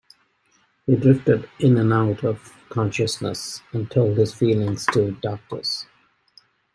He drifted in and out of consciousness and told his feelings to doctors.